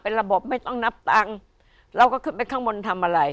ระบบไม่ต้องนับตังค์เราก็ขึ้นไปข้างบนทำอะไร